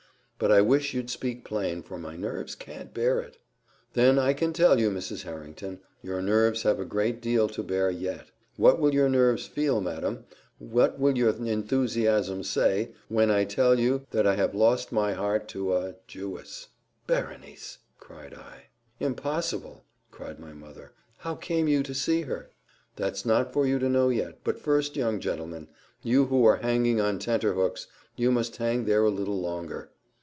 "But I wish you'd speak plain, for my nerves can't bear it." "Then I can tell you, Mrs. Harrington, your nerves have a great deal to bear yet. What will your nerves feel, madam what will your enthusiasm say, sir when I tell you, that I have lost my heart to a Jewess?" "Berenice!" cried I. "Impossible!" cried my mother. "How came you to see her?" "That's not for you to know yet; but first, young gentleman, you who are hanging on tenter hooks, you must hang there a little longer."